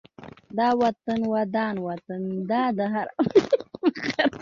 دا وطن ودان وطن دا د هر افغان وطن